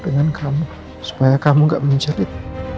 dengan kamu supaya kamu nggak menjerit